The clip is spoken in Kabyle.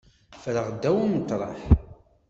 Ffreɣ ddaw umeṭreḥ.